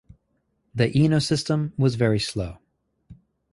The Eno system was very slow